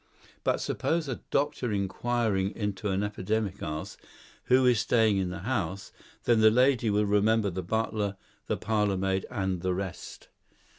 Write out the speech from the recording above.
But suppose a doctor inquiring into an epidemic asks, 'Who is staying in the house?' then the lady will remember the butler, the parlourmaid, and the rest.